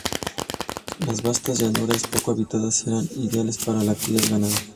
Las vastas llanuras, poco habitadas, era ideales para la cría de ganado.